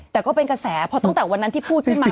แต่ก็เป็นกระแสเพราะตั้งแต่วันนั้นที่พูดขึ้นมา